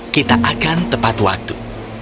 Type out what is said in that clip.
kita akan tepat waktu